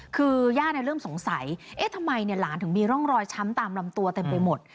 คือย่าเริ่มสงสัยเอ๊ะทำไมหลานถึงมีร่องรอยช้ำตามลำตัวเต็มไปหมด